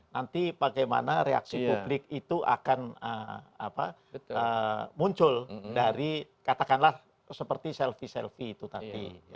nanti bagaimana reaksi publik itu akan muncul dari katakanlah seperti selfie selfie itu tadi